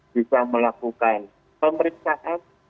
bisa melakukan pemeriksaan